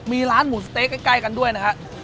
มีร้านหมูเต๊ใกล้กันด้วยนะครับ